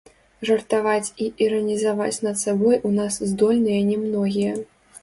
Жартаваць і іранізаваць над сабой у нас здольныя не многія.